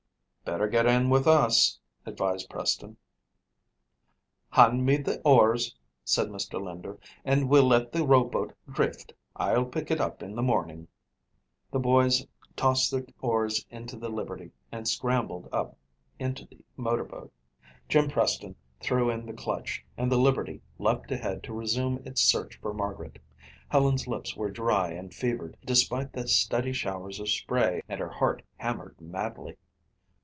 "Better get in with us," advised Preston. "Hand me the oars," said Mr. Linder, "and we'll let the rowboat drift. I'll pick it up in the morning." The boys tossed their oars into the Liberty and scrambled up into the motorboat. Jim Preston threw in the clutch and the Liberty leaped ahead to resume its search for Margaret. Helen's lips were dry and fevered despite the steady showers of spray and her heart hammered madly.